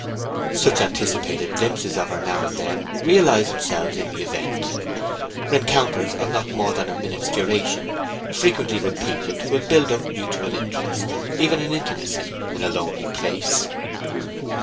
Such anticipated glimpses of her now and then realized themselves in the event. Rencounters of not more than a minute's duration, frequently repeated, will build up mutual interest, even an intimacy, in a lonely place.